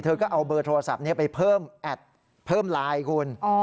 เธอก็เอาเบอร์โทรศัพท์นี้ไปเพิ่มแอดเพิ่มไลน์คุณ